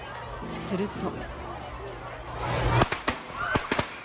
すると。